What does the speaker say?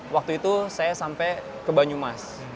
waktu itu saya sampai ke banyumas